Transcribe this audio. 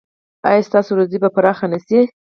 ایا ستاسو روزي به پراخه نه شي؟